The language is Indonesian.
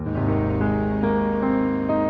terus masih mencintai kita